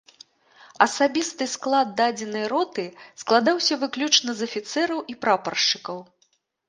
Асабісты склад дадзенай роты складаўся выключна з афіцэраў і прапаршчыкаў.